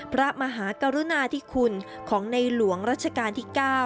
พระมหากรุณาธิคุณของในหลวงรัชกาลที่๙